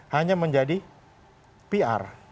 hanya menjadi pr